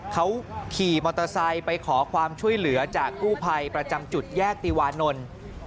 เขาขี่มอเตอร์ไซค์ไปขอความช่วยเหลือจากกู้ภัยประจำจุดแยกติวานนท์